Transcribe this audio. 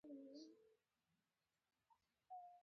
د ځوانانو د شخصي پرمختګ لپاره پکار ده چې خلاقیت زیات کړي.